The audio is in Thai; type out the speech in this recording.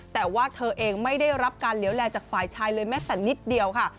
แต่ว่าเธอเองไม่ได้รับการเหลวแลจากฝ่ายชายเลยแม้แต่นิดเดียวค่ะ